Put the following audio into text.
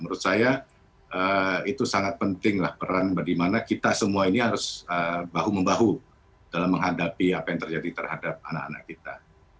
menurut saya itu sangat penting lah peran bagaimana kita semua ini harus bahu membahu dalam menghadapi apa yang terjadi terhadap anak anak kita